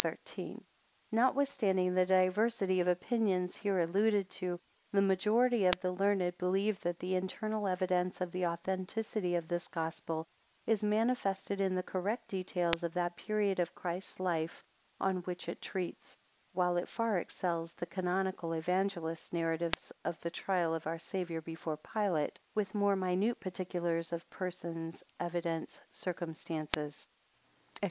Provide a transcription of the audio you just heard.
] Notwithstanding the diversity of opinions here alluded to, the majority of the learned believe that the internal evidence of the authenticity of this Gospel is manifested in the correct details of that period of Christ's life on which it treats, while it far excels the canonical Evangelists narrative of the trial of our Saviour before Pilate, with more minute particulars of persons, evidence, circumstance, &c.